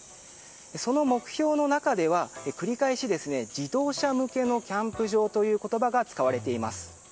その目標の中では繰り返し自動車向けのキャンプ場という言葉が使われています。